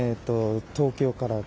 東京から。